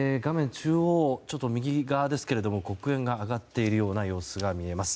中央、右側ですが黒煙が上がっている様子が見えます。